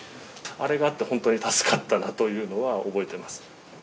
あれがあって本当に助かったなっていうのは覚えています。